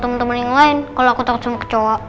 temen temen yang lain kalau aku takut sama kecoa